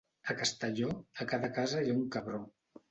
A Castelló, a cada casa hi ha un cabró.